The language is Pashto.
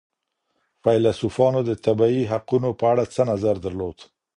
فيلسوفانو د طبعي حقونو په اړه څه نظر درلود؟